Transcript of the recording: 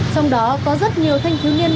trong đó có rất nhiều thanh thứ nghiên